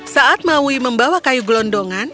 saat maui membawa kayu gelondongan